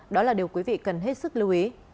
đó là điều quý vị cần hết sức lưu ý